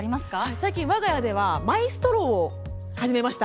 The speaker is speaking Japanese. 最近、わが家ではマイストロー始めました。